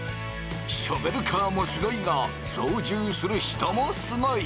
ショベルカーもすごいが操縦する人もすごい！